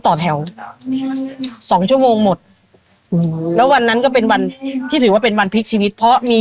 ต่อแถวสองชั่วโมงหมดอืมแล้ววันนั้นก็เป็นวันที่ถือว่าเป็นวันพลิกชีวิตเพราะมี